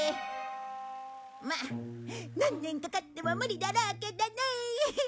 まあ何年かかっても無理だろうけどね。